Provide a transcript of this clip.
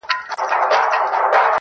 او د بت سترگي يې ښې ور اب پاشي کړې